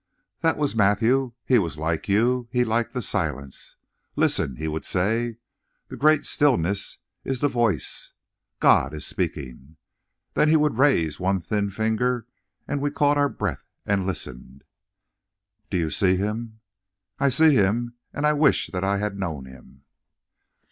"That was Matthew. He was like you. He liked the silence. 'Listen,' he would say. 'The great stillness is the voice; God is speaking.' Then he would raise one thin finger and we caught our breath and listened. "Do you see him?" "I see him, and I wish that I had known him."